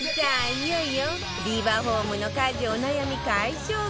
いよいよビバホームの家事お悩み解消グッズ